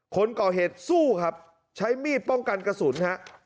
คนก่อเหตุสู้ครับใช้มีดป้องกันกระสุนฮะ